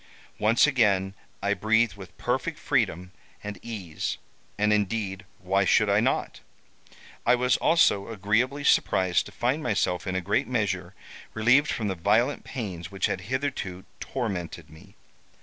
Once again I breathed with perfect freedom and ease—and indeed why should I not? I was also agreeably surprised to find myself, in a great measure, relieved from the violent pains which had hitherto tormented me.